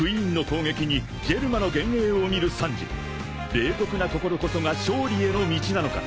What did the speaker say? ［冷酷な心こそが勝利への道なのか？］